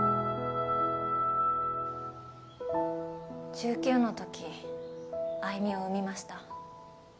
１９のとき愛魅を産みました。